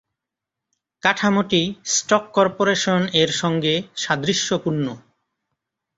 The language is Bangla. কাঠামোটি স্টক কর্পোরেশন এর সঙ্গে সাদৃশ্যপূর্ণ।